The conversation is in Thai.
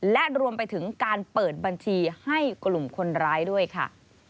และรวมไปถึงการเปิดบัญชีให้กลุ่มคนร้ายด้วยค่ะ